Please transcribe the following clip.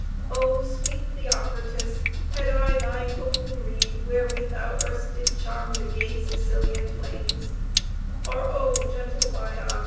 Oh, sweet Theocritus! had I thine oaten reed, wherewith thou erst did charm the gay Sicilian plains; or, oh, gentle Bion!